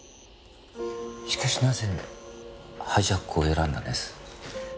しかしなぜハイジャックを選んだんです？